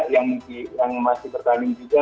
yang masih berkanding juga